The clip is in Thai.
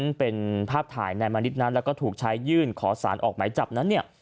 ซึ่งเป็นภาพถ่ายนายมณิชย์นั้นแล้วก็ถูกใช้ยื่นขอสารออกหมายจับนั้นเนี่ย